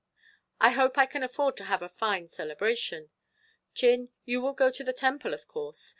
"I hope I can afford to have a fine celebration. Chin, you will go to the temple, of course.